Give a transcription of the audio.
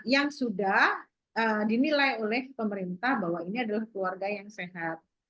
yang sudah dinilai oleh pemerintah bahwa ini adalah keluarga yang sehat